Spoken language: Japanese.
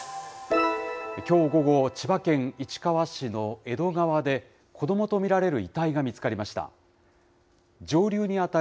きょう午後、千葉県市川市の江戸川で、子どもと見られる遺体が見つかりました。